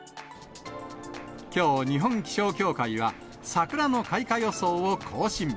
きょう、日本気象協会は、桜の開花予想を更新。